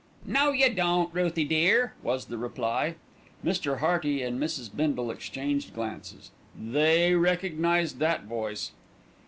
"No, you don't, Ruthie dear," was the reply. Mr. Hearty and Mrs. Bindle exchanged glances. They recognised that voice.